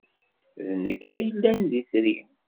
D nekk ay yellan d itri.